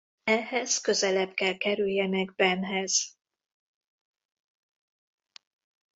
Ehhez közelebb kell kerüljenek Benhez.